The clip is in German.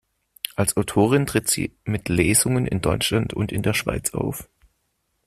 Als Autorin tritt sie mit Lesungen in Deutschland und in der Schweiz auf.